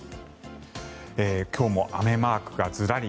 今日も雨マークがずらり。